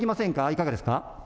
いかがですか。